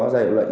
giai đoạn lệnh